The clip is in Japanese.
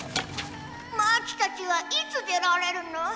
マーチたちはいつ出られるの？